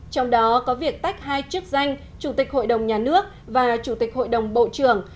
trong đó có việc tách hai chức danh chủ tịch hội đồng nhà nước và chủ tịch hội đồng bộ trưởng